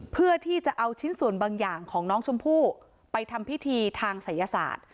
เพื่อที่จะเอาชิ้นส่วนบางอย่างของน้องชมพู่ไปทำพิธีทางศัยศาสตร์